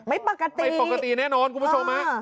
ไม่ปกติไม่ปกติแน่นอนคุณผู้ชมฮะ